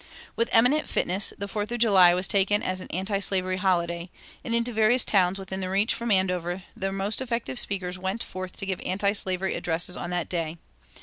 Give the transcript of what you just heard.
With eminent fitness the Fourth of July was taken as an antislavery holiday, and into various towns within reach from Andover their most effective speakers went forth to give antislavery addresses on that day.